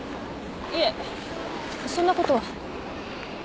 いえそんなことは。